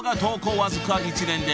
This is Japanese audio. わずか１年で＃